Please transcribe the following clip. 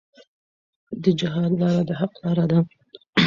د جهاد لاره د حق لاره ده.